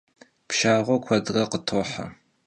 Pşşağue kuedre khıtohe.